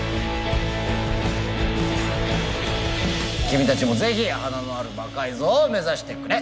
君たちもぜひ華のある魔改造を目指してくれ。